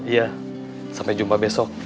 iya sampai jumpa besok